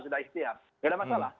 sudah ikhtiar tidak ada masalah